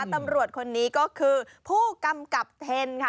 ตำรวจคนนี้ก็คือผู้กำกับเทนค่ะ